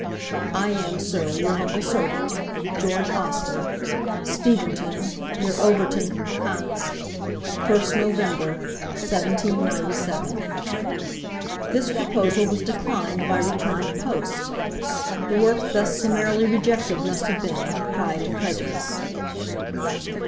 'I am, Sir, your humble Servant, 'GEORGE AUSTEN.' 'Steventon, near Overton, Hants, '1st Nov. 1797.' This proposal was declined by return of post! The work thus summarily rejected must have been 'Pride and Prejudice.'